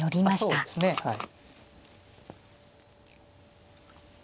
そうですねはい。